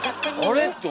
あれ？って。